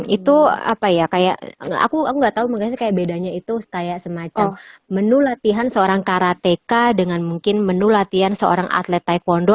itu apa ya kayak aku nggak tahu makanya bedanya itu kayak semacam menu latihan seorang karateka dengan mungkin menu latihan seorang atlet taekwondo